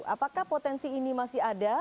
apakah potensi ini masih ada